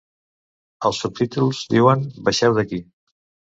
Els subtítols diuen: Baixeu d'aquí!